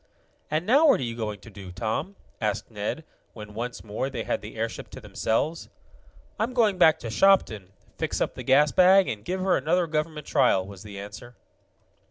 "And now what are you going to do, Tom?" asked Ned, when, once more, they had the airship to themselves. "I'm going back to Shopton, fix up the gas bag, and give her another government trial," was the answer.